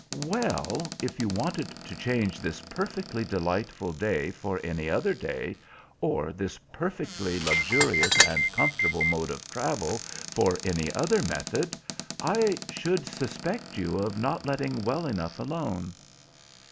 "Well, if you wanted to change this perfectly delightful day for any other day, or this perfectly luxurious and comfortable mode of travel for any other method, I should suspect you of not letting well enough alone."